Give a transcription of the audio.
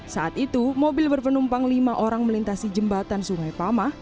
saat itu mobil berpenumpang lima orang melintasi jembatan sungai pamah